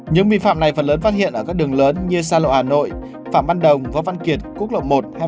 những vi phạm này phần lớn phát hiện ở các đường lớn như sa lộ hà nội phạm văn đồng và văn kiệt quốc lộ một hai mươi hai